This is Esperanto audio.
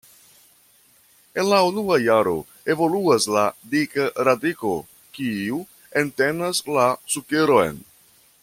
En la unua jaro evoluas la dika radiko, kiu entenas la sukeron.